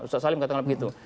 ustadz salim katanya begitu